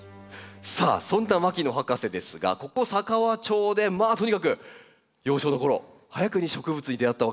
さあそんな牧野博士ですがここ佐川町でまあとにかく幼少のころ早くに植物に出会ったわけですよね。